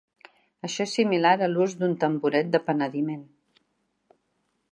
Això és similar a l'ús d'un tamboret de penediment.